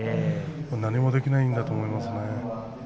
何もできないんだと思いますね。